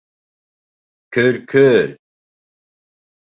Көл, көл!